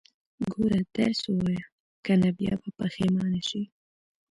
ګوره، درس ووايه، که نه بيا به پښيمانه شې.